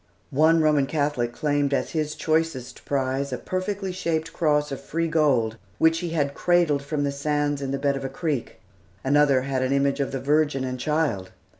One Roman Catholic claimed as his choicest prize a perfectly shaped cross of free gold, which he had cradled from the sands in the bed of a creek. Another had an image of the Virgin and Child.